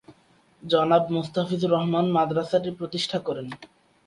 জনাব মোস্তাফিজুর রহমান মাদ্রাসাটি প্রতিষ্ঠা করেন।